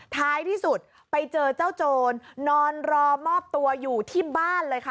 ท้ายที่สุดไปเจอเจ้าโจรนอนรอมอบตัวอยู่ที่บ้านเลยค่ะ